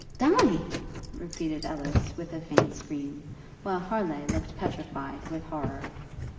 'Die?' repeated Ellis, with a faint scream, while Harleigh looked petrified with horrour.